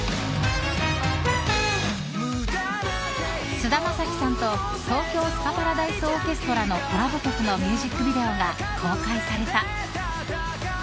菅田将暉さんと東京スカパラダイスオーケストラのコラボ曲のミュージックビデオが公開された。